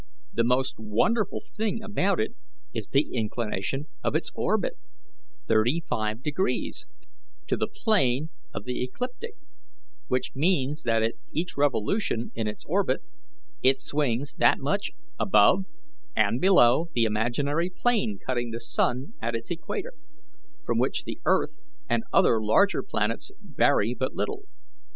The most wonderful thing about it is the inclination of its orbit thirty five degrees to the plane of the ecliptic; which means that at each revolution in its orbit, it swings that much above and below the imaginary plane cutting the sun at its equator, from which the earth and other larger planets vary but little.